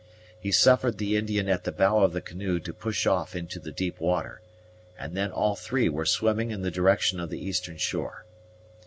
He suffered the Indian at the bow of the canoe to push off into the deep water, and then all three were swimming in the direction of the eastern shore.